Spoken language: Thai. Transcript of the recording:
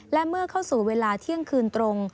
และเมื่อเข้าสู่เวลาเที่ยงคืนตรง